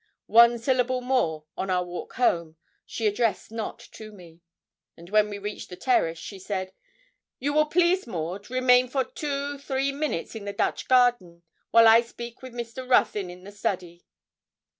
One syllable more, on our walk home, she addressed not to me. And when we reached the terrace, she said 'You will please, Maud, remain for two three minutes in the Dutch garden, while I speak with Mr. Ruthyn in the study.'